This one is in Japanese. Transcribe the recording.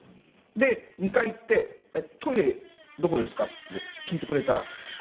で２階行って「トイレどこですか？」って聞いてくれたら「すみません。